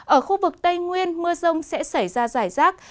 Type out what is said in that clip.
ở khu vực tây nguyên mưa rông sẽ xảy ra rải rác